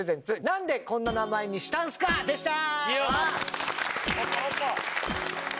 何でこんな名前にしたんすか？でした。